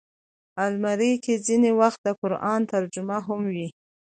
الماري کې ځینې وخت د قرآن ترجمه هم وي